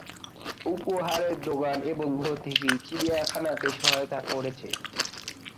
উপহারের দোকান এবং ভর্তি ফি চিড়িয়াখানাকে সহায়তা করেছে।